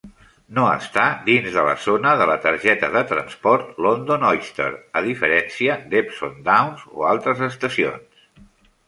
No està dins de la zona de la targeta de transport London Oyster, a diferència d'Epsom Downs o altres estacions.